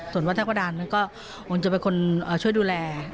ส่วนวัตถักประดานก็จะเป็นคนช่วยดูแล